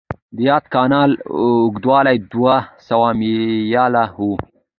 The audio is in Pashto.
د یاد کانال اوږدوالی دوه سوه میله و.